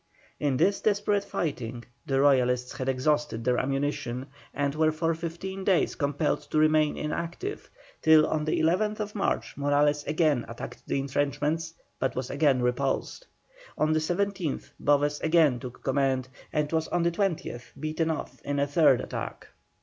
In this desperate fighting the Royalists had exhausted their ammunition, and were for fifteen days compelled to remain inactive, till on the 11th March Morales again attacked the entrenchments, but was again repulsed. On the 17th Boves again took command, and was on the 20th beaten off in a third attack.